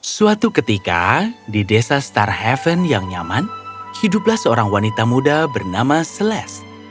suatu ketika di desa star haven yang nyaman hiduplah seorang wanita muda bernama seles